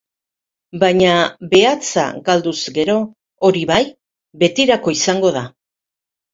Baina behatza galduz gero, hori bai, betirako izango da.